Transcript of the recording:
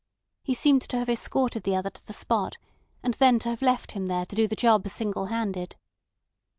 He seemed to have escorted the other to the spot, and then to have left him there to do the job single handed.